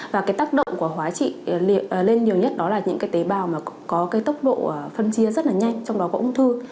và tác động của hóa trị lên nhiều nhất đó là những tế bào có tốc độ phân chia rất nhanh trong đó có ung thư